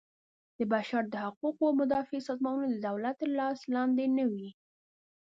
د بشر د حقوقو مدافع سازمانونه د دولت تر لاس لاندې نه وي.